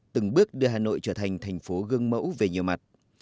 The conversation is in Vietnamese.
từng bước đưa hà nội trở thành thành phố gương mẫu về nhiều mặt